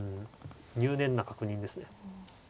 入念な確認ですね。